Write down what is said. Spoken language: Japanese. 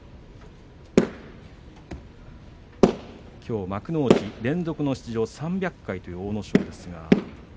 きょう幕内、連続出場３００回という阿武咲です。